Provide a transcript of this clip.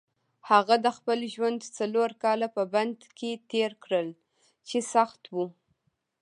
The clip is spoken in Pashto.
هغه د خپل ژوند څلور کاله په بند کې تېر کړل چې سخت وو.